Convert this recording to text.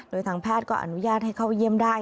โดยทางแพทย์ก็อนุญาตให้เข้าเยี่ยมได้